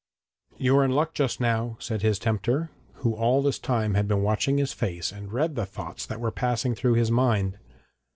'You are in luck just now,' said his tempter, who all this time had been watching his face and read the thoughts that were passing through his mind.